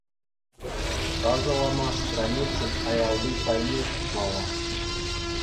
Сасӑлама страницӑн аялти пайне куҫмалла.